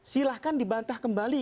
silahkan dibantah kembali